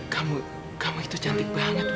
kamu kamu itu cantik banget